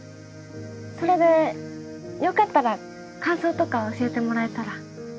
それでよかったら感想とか教えてもらえたら。